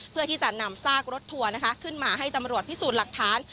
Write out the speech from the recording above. เพื่อที่จะนำซากรถทัวร์นะคะขึ้นมาให้ตำรวจพิสูจน์หลักฐาน